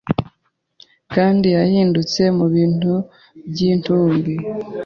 Kandi yahindutse mubintu-byintumbi